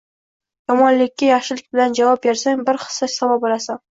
Yomonlikka yaxshilik bilan javob bersang, bir hissa savob olasan.